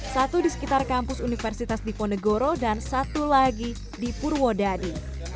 satu di sekitar kampus universitas diponegoro dan satu lagi di purwodadi